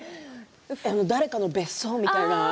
誰かの別荘みたいな。